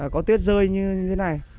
có tuyết rơi như thế này